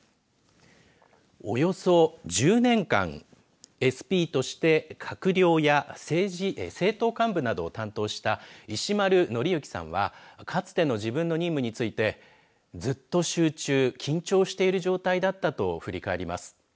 およそ１０年間ＳＰとして、閣僚や政党幹部などを担当した石丸徳幸さんはかつての自分の任務についてずっと集中、緊張している状態だったと振り返ります。